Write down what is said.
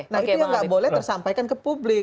nah itu yang nggak boleh tersampaikan ke publik